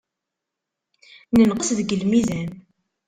Nenqes deg lmizan.